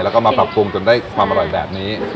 แล้วก็มาปรับปรุงจนได้ความอร่อยแบบนี้